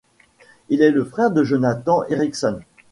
Il est le frère de Jonathan Ericsson.